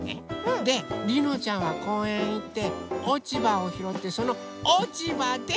でりのちゃんはこうえんへいっておちばをひろってそのおちばで